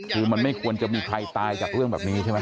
คือมันไม่ควรจะมีใครตายจากเรื่องแบบนี้ใช่ไหม